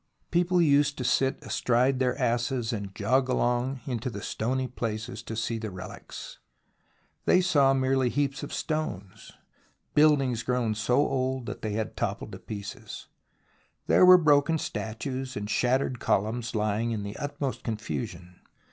People used to sit astride their asses and jog along into the stony places to see the relics. They saw merely heaps of stones, buildings grown so old that they had toppled to pieces. There were broken statues and shattered columns lying in the utmost confusion.